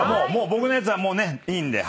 僕のやつはもうねいいんで。